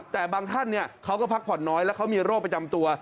แต่บางท่านเขาก็พักผ่อนน้อยแล้วเขามีโรคประจำตัว